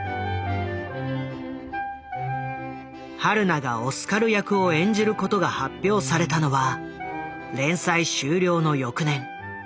榛名がオスカル役を演じることが発表されたのは連載終了の翌年。